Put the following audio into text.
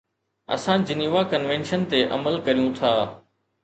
اسان Geneva convention تي عمل ڪريون ٿا.